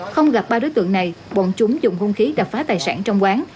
không gặp ba đối tượng này bọn chúng dùng hung khí đập phá tài sản trong quán